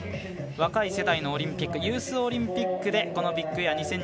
若い世代のオリンピックユースオリンピックでこのビッグエア